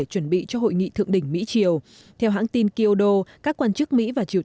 chuẩn bị cho hội nghị thượng đỉnh mỹ triều theo hãng tin kyodo các quan chức mỹ và triều